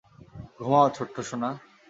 ঘুমাও, ছোট্ট সোনা।